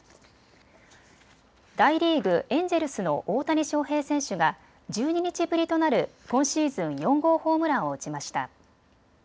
大リーグ、エンジェルスの大谷翔平選手が１２日ぶりとなる今シーズン４号ホームランを打ちました。